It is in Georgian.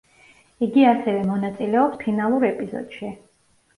იგი ასევე მონაწილეობს ფინალურ ეპიზოდში.